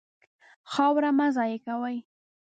خاوره مه ضایع کوئ.